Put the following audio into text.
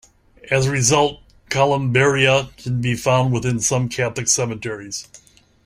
As a result, columbaria can be found within some Catholic cemeteries.